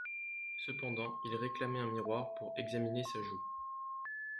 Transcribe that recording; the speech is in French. Cependant il réclamait un miroir pour examiner sa joue.